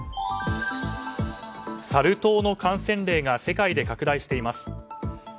サル痘の感染例が世界で拡大しています。